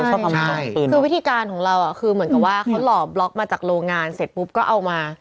คือวิธีการของเราคือเหมือนกับว่าเขาหล่อบล็อกมาจากโรงงานเสร็จปุ๊บก็เอามา